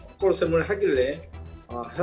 tapi pemain itu melihat saya menang gol